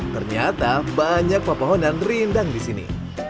ternyata banyak pepohonan rindang di sini